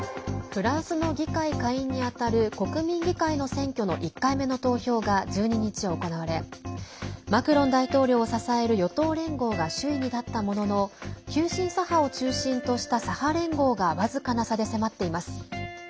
フランスの議会下院にあたる国民議会の選挙の１回目の投票が１２日行われマクロン大統領を支える与党連合が首位に立ったものの急進左派を中心とした左派連合が僅かな差で迫っています。